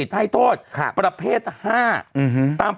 ถูกต้องถูกต้อง